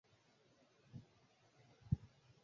Malisho ya pamoja pia huchangia maambukizi